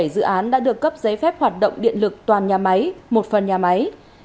bảy dự án đã được cấp giấy phép hoạt động điện lực toàn nhà máy một phần nhà máy